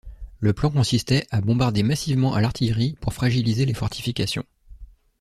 Le plan consistait à bombarder massivement à l'artillerie pour fragiliser les fortifications.